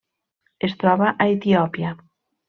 Es troba a Etiòpia.